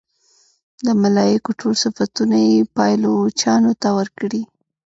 د ملایکو ټول صفتونه یې پایلوچانو ته ورکړي.